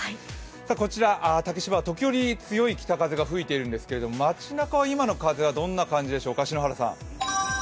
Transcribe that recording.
こちら、竹芝は時折強い北風が吹いているんですが街なかは今の風はどんな感じでしょうか？